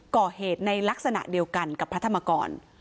ก่อเหตุในลักษณะเดียวกันกับพระธรรมกร